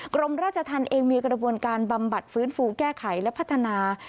กรมราชธรรมเองมีกระบวนการบำบัดฟื้นฟูแก้ไขและพัฒนา